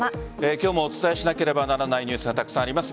今日もお伝えしなければならないニュースがたくさんあります。